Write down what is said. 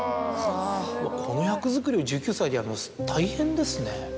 うわこの役作りを１９歳でやるのは大変ですね。